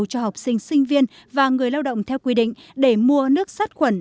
cho học sinh sinh viên và người lao động theo quy định để mua nước sát khuẩn